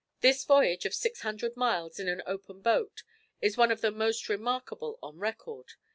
This voyage of six hundred miles in an open boat, is one of the most remarkable on record.